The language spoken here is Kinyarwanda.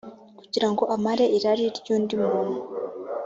kugira ngo amare irari ry undi muntu